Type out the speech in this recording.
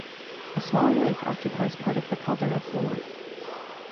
A small lake occupies part of the caldera floor.